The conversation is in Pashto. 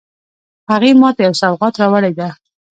هغې ما ته یو سوغات راوړی ده